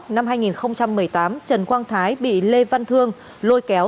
năm hai nghìn một mươi tám trần quang thái bị lê văn thương lôi kéo